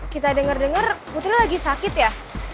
kita denger denger putri lagi sakit ya